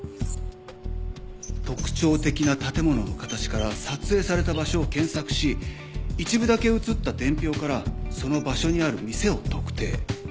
特徴的な建物の形から撮影された場所を検索し一部だけ写った伝票からその場所にある店を特定。